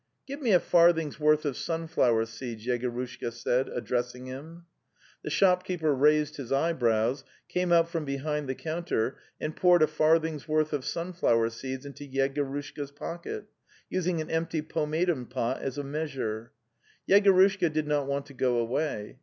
'"' Give me a farthing's worth of sunflower seeds,"' Yegorushka said, addressing him. The shopkeeper raised his eyebrows, came out from behind the counter, and poured a farthing's worth of sunflower seeds into Yegorushka's pocket, using an empty pomatum pot as a measure. Yego rushka did not want to go away.